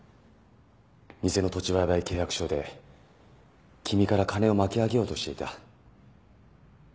偽の土地売買契約書で君から金を巻き上げようとしていた。